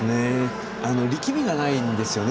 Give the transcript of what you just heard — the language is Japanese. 力みがないんですよね。